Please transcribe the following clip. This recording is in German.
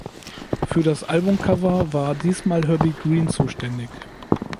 Für das Albumcover war diesmal Herbie Green zuständig.